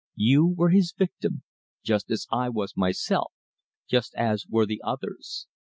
You were his victim, just as I was myself just as were the others.